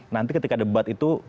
nanti ketika debat itu